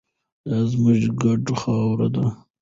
دا زموږ ګډه خاوره ده.